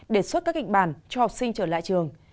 đề xuất các kịch bản cho học sinh trở lại trường